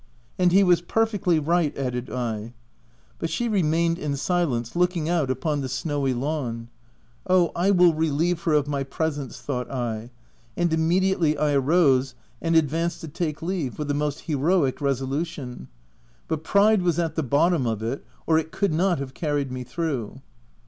"And he was perfectly right," added I. But she re mained in silence looking out upon the snowy 326 THE TENANT lawn. " Oh, I will relieve her of my presence !" thought I ; and immediately I rose and ad vanced to take leave, with a most heroic reso lution — but pride was at the bottom of it, or it could not have carried me through.